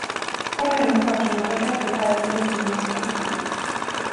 Var och en av parterna bör därför bära sin rättegångskostnad.